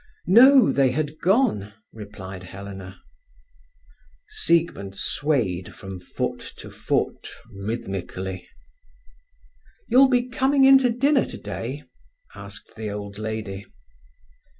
"No, they had gone," replied Helena. Siegmund swayed from foot to foot, rhythmically. "You'll be coming in to dinner today?" asked the old lady.